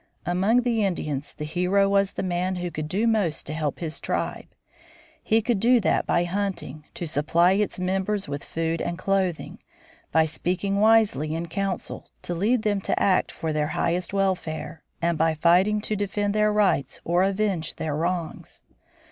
Among the Indians the hero was the man who could do most to help his tribe. He could do that by hunting, to supply its members with food and clothing, by speaking wisely in council, to lead them to act for their highest welfare, and by fighting to defend their rights or avenge their wrongs.